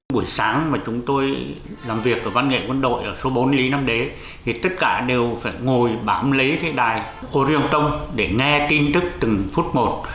buổi sáng mà chúng tôi làm việc ở văn nghệ quân đội ở số bốn lý nam đế thì tất cả đều phải ngồi bám lấy cái đài orion tông để nghe tin tức từng phút một